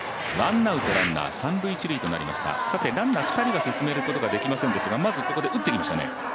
ランナー２人は進めることはできませんでしたがまず、ここで打ってきましたね。